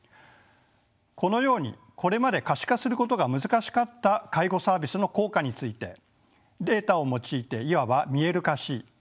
このようにこれまで可視化することが難しかった介護サービスの効果についてデータを用いていわば見える化し